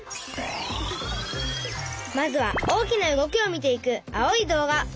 まずは大きな動きを見ていく青い動画。